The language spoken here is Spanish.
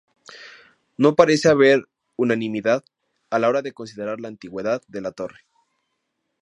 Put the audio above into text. No parece haber unanimidad a la hora de considerar la antigüedad de la torre.